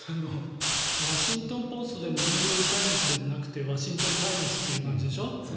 ワシントン・ポストでもニューヨーク・タイムズでもなくてワシントン・タイムズという感じでしょ？